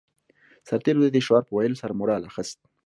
سرتېرو د دې شعار په ويلو سره مورال اخیست